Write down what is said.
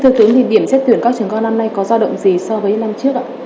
thưa tướng thì điểm xét tuyển các trường công an năm nay có do động gì so với năm trước ạ